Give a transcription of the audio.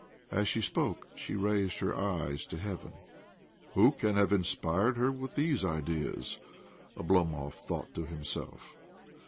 As she spoke she raised her eyes to heaven. " Who can have inspired her with these ideas ?" Oblomov thoug'ht to himself.